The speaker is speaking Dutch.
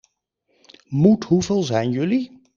Moet hoeveel zijn jullie?